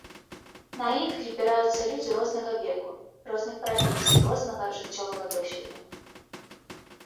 На іх збіраюцца людзі рознага веку, розных прафесій, рознага жыццёвага досведу.